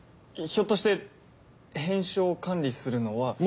ひょっとして返書を管理するのは。